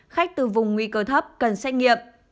khách từ vùng nguy cơ thấp cần xét nghiệm